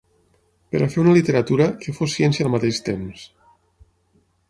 Per a fer una literatura que fos ciència al mateix temps…